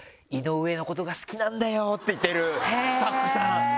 って言ってるスタッフさん。